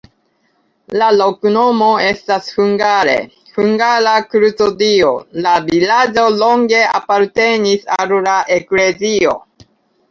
La loknomo estas hungare: hungara-kruco-Dio, la vilaĝo longe apartenis al la eklezio.